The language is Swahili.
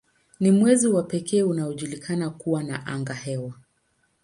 Ni mwezi wa pekee unaojulikana kuwa na angahewa.